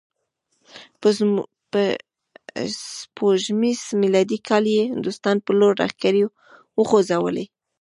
په سپوږمیز میلادي کال یې هندوستان په لور لښکرې وخوزولې.